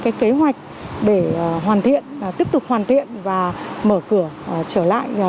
cái kế hoạch để hoàn thiện tiếp tục hoàn thiện và mở cửa trở lại